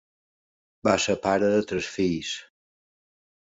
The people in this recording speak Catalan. Va ser pare de tres fills.